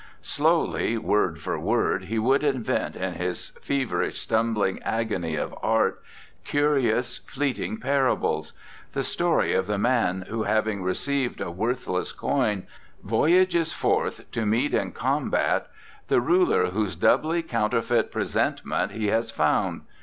Slowly, word for word, he would in vent in his feverish, stumbling agony of art, curious, fleeting parables: the story of the man who, having received a worth less coin, voyages forth to meet in com bat the ruler whose doubly counterfeit 77 RECOLLECTIONS OF OSCAR WILDE presentment he has found.